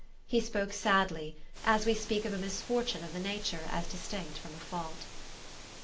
He spoke sadly, as we speak of a misfortune of the nature as distinct from a fault.